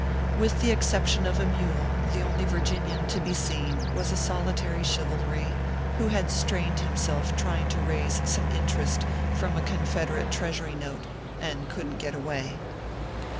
With the exception of a mule, the only Virginian to be seen was a solitary Chivalry, who had strained himself trying to raise some interest from a Confederate Treasury Note, and couldn t get away.